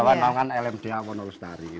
di bawah nangan lmda konus dari